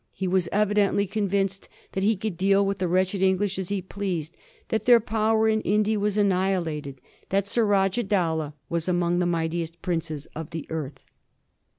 He was evidently convinced that he could deal with the wretched English as he pleased, that their power in In dia was annihilated, that Surajah Dowlah was among the mightiest princes of the earth.